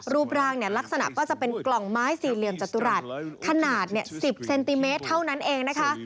รูปร่างเนี่ยลักษณะก็จะเป็นกล่องไม้สี่เหลี่ยมจตุรัสขนาด๑๐เซนติเมตรเท่านั้นเองนะคะ